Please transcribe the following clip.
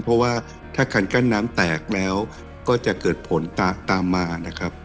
เพราะว่าถ้าคันกั้นน้ำแตกแล้วก็จะเกิดผลตามมานะครับ